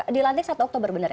dilantik saat oktober bener ya